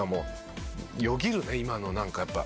今のなんかやっぱ。